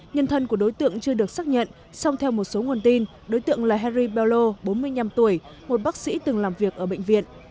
nhân thân của đối tượng chưa được xác nhận song theo một số nguồn tin đối tượng là harri belo bốn mươi năm tuổi một bác sĩ từng làm việc ở bệnh viện